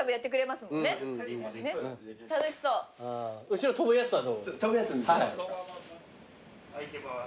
後ろ飛ぶやつはどう？いきます。